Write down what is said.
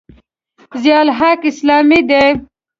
ضیأالحق اسلامه دی.